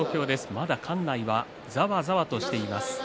まだ館内はざわざわとしています。